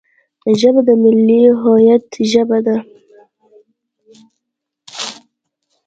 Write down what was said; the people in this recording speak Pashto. ژبه د ملي هویت ژبه ده